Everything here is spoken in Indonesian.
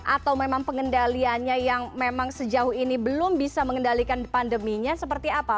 atau memang pengendaliannya yang memang sejauh ini belum bisa mengendalikan pandeminya seperti apa